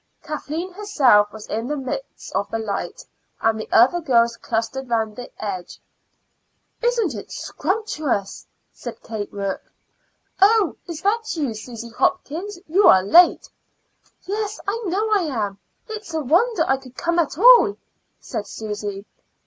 Kathleen herself was in the midst of the light, and the other girls clustered round the edge. "Isn't it scrumptious?" said Kate Rourke. "Oh, is that you, Susy Hopkins? You are late." "Yes, I know I am. It's a wonder I could come at all," said Susy.